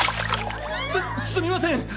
すっすみません